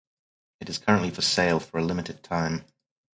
It is currently for sale for a limited time.